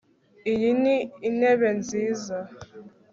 Iyi ni intebe nziza